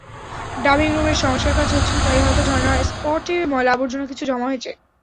Dubbing রুমের সংস্কারকাজ হচ্ছিল, তাই হয়তো ঝরনা স্পটে ময়লা-আবর্জনা কিছু জমা হয়েছে।